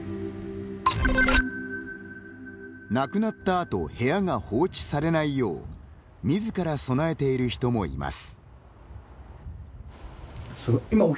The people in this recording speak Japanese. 亡くなったあと部屋が放置されないようみずから備えている人もいます。